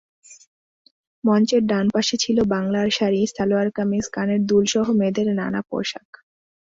মঞ্চের ডান পাশে ছিল বাংলার শাড়ি, সালোয়ার-কামিজ, কানের দুলসহ মেয়েদের নানা পোশাক।